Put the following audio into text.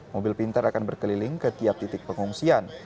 mobil pintar akan berkeliling ke tiap titik pengungsian